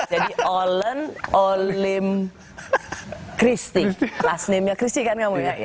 jadi olen olim christi last name nya christi kan kamu ya